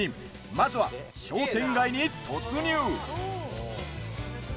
まずは、商店街に突入。